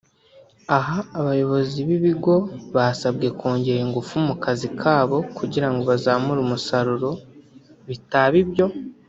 Aha abayobozi b’ibi bigo basabwe kongera ingufu mu kazi kabo kugirango bazamure umusaruro bitaba ibyo